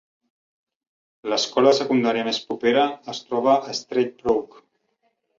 L'escola de secundària més propera es troba a Stradbroke.